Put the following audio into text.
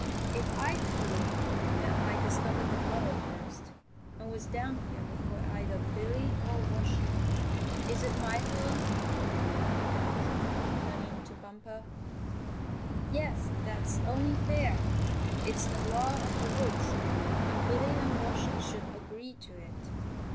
"If I prove that I discovered the burrow first, and was down here before either Billy or Washer, is it my home?" Groundy asked, turning to Bumper. "Yes, that's only fair. It's the law of the woods, and Billy and Washer should agree to it.